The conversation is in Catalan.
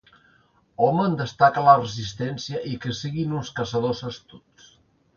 Hom en destaca la resistència i que siguin uns caçadors astuts.